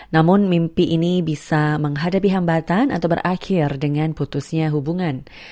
namun mimpi ini bisa menghadapi hambatan atau berakhir dengan putusnya hubungan